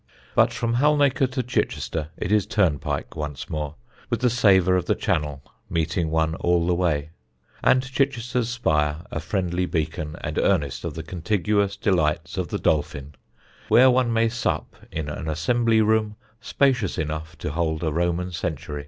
But from Halnaker to Chichester it is turnpike once more, with the savour of the Channel meeting one all the way, and Chichester's spire a friendly beacon and earnest of the contiguous delights of the Dolphin, where one may sup in an assembly room spacious enough to hold a Roman century.